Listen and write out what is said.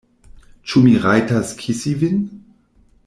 Ĉu mi rajtas kisi vin?